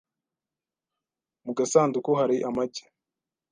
Mu gasanduku hari amagi.